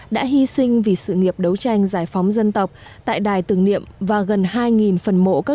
đã hy sinh vì sự nghiệp đấu tranh giải phóng dân tộc tại đài tưởng niệm và gần hai phần mộ các